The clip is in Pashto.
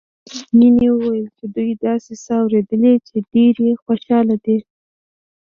مينې وويل چې دوي داسې څه اورېدلي چې ډېرې خوشحاله دي